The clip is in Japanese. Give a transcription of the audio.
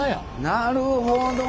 なるほど！